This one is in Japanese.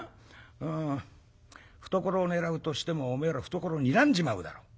懐を狙うとしてもおめえら懐にらんじまうだろ。